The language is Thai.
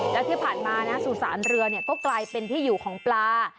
แล้วที่ผ่านมานะสุสานเรือก็กลายเป็นที่อยู่ของปลา